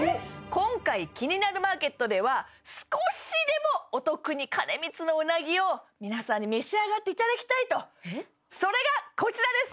今回「キニナルマーケット」では少しでもお得に兼光のうなぎを皆さんに召し上がっていただきたいとそれがこちらです